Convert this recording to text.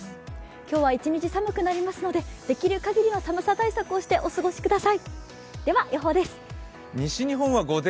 今日は一日寒くなりますのでできるかぎりの寒さ対策をしてお過ごしください。